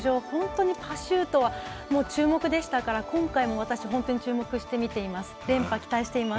本当パシュートは注目でしたから今回も私本当に注目して見ています。